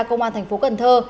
công an thành phố cần thơ